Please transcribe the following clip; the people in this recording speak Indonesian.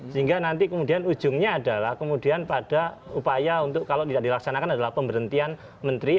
sehingga nanti kemudian ujungnya adalah kemudian pada upaya untuk kalau tidak dilaksanakan adalah pemberhentian menteri